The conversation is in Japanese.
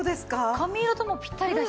髪色ともぴったりだし。